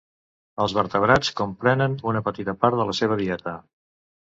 Els vertebrats comprenen una petita part de la seva dieta.